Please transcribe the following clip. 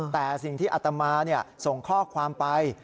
แต่สิ่งที่อัตมาส่งข้อความไป